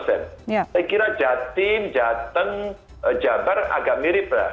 saya kira jatim jateng jabar agak mirip lah